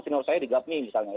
senior saya di gafmi misalnya ya